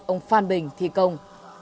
ông phan bình thì công